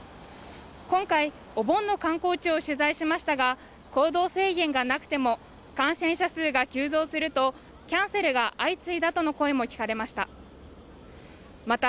今回お盆の観光地を取材しましたが行動制限がなくても感染者数が急増するとキャンセルが相次いだとの声も聞かれました